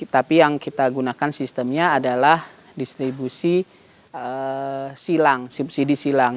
tapi yang kita gunakan sistemnya adalah distribusi silang subsidi silang